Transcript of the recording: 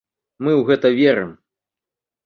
Мы ў гэта верым!